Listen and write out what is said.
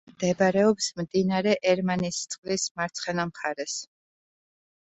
მდებარეობს მდინარე ერმანისწყლის მარცხენა მხარეს.